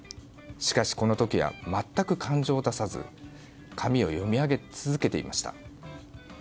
しかし、この時は全く感情を出さず紙を読み上げ続けていました。